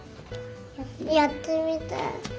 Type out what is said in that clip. やってみたい。